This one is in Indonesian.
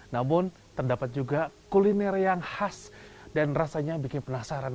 namun terdapat juga kuliner yang khas dan rasanya bikin penasaran